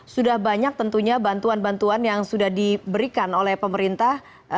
sudah banyak tentunya bantuan bantuan yang sudah diberikan oleh pemerintah